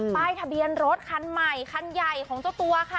ป้ายทะเบียนรถคันใหญ่ของเจ้าตัวค่ะ